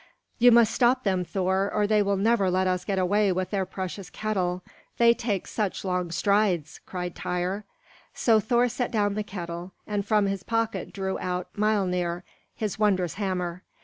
"You must stop them, Thor, or they will never let us get away with their precious kettle, they take such long strides!" cried Tŷr. So Thor set down the kettle, and from his pocket drew out Miölnir, his wondrous hammer.